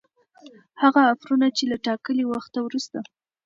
هغه آفرونه چي له ټاکلي وخته وروسته